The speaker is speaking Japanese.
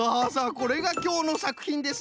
これがきょうのさくひんです。